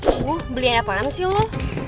aduh belian apaan sih lo